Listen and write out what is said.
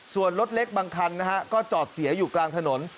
ส่วนรถเล็กบางคันนะฮะก็จอดเสียอยู่กลางถนน